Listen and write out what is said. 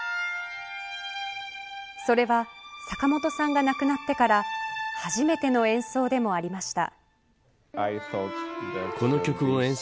それは坂本さんが亡くなってから初めての演奏でもありました。